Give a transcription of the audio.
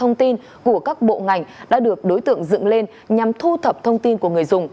thông tin của các bộ ngành đã được đối tượng dựng lên nhằm thu thập thông tin của người dùng